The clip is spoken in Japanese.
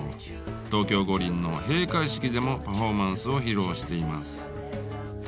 東京五輪の閉会式でもパフォーマンスを披露しています。